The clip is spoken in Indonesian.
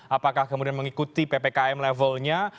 apakah kemudian mengikuti ppkm levelnya